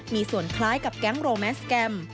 มีส่วนคล้ายกับแก๊งโรแมสแกรม